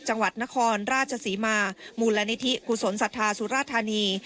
จังหวัดนครราชศรีมามูลนิธิกุศลศรัทธาสุราธานี